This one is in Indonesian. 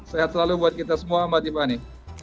sehat selalu buat kita semua mbak tiffany